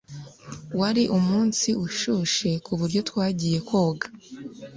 Wari umunsi ushushe kuburyo twagiye koga.